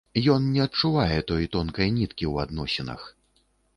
Ён не адчувае той тонкай ніткі ў адносінах.